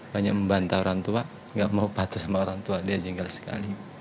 banyak membantah orang tua nggak mau patuh sama orang tua dia jengkel sekali